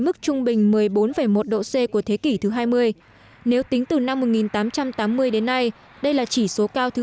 mức trung bình một mươi bốn một độ c của thế kỷ thứ hai mươi nếu tính từ năm một nghìn tám trăm tám mươi đến nay đây là chỉ số cao thứ